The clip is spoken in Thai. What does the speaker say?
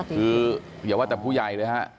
คืออย่าว่าแต่ผู้ใหญ่เลยฮะ